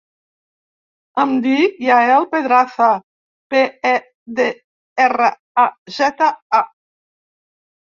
Em dic Yael Pedraza: pe, e, de, erra, a, zeta, a.